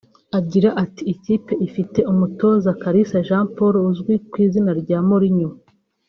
Agira ati “ikipe ifite umutoza Kalisa Jean Paul uzwi ku izina rya Morinnyo